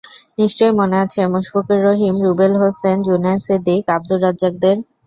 নিশ্চয়ই মনে আছে মুশফিকুর রহিম, রুবেল হোসেন, জুনায়েদ সিদ্দিক, আবদুর রাজ্জাকদের।